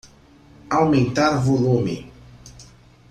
Aumentar volume.